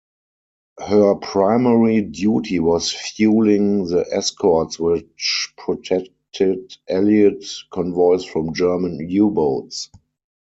Her primary duty was fueling the escorts which protected Allied convoys from German U-boats.